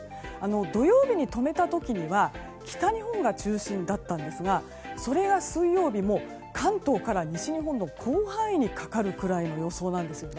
土曜日に止めた時には北日本が中心だったんですがそれが水曜日、関東から西日本の広範囲にかかるくらいの予想なんです。